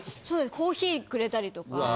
コーヒーくれたりとか。